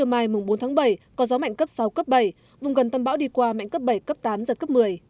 mai mùng bốn tháng bảy có gió mạnh cấp sáu cấp bảy vùng gần tâm bão đi qua mạnh cấp bảy cấp tám giật cấp một mươi